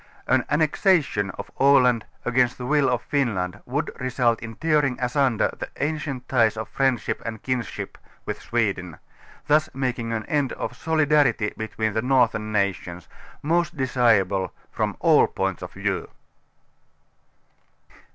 An annexation of Aland against the will of Finland would result in tearing asunder the ancient ties of friend ship and kinskip with Sweden, thus making an end of soli darity between the northern nations, most desirable from all points of view.